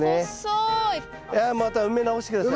いやまた埋め直して下さい。